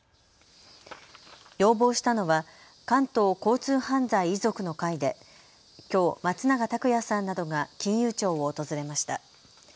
要望したのは関東交通犯罪遺族の会できょう松永拓也さんなどが金融庁を訪れました。